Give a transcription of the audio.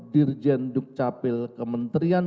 dirjen dukcapil kementerian